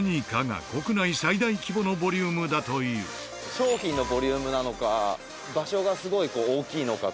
「商品のボリュームなのか場所がすごい大きいのか」